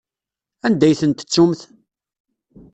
Anda ay ten-tettumt?